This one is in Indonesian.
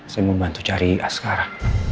saya mau bantu cari askara